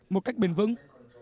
một cách bền vững